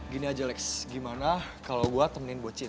gini aja lex gimana kalau gue temanin bocin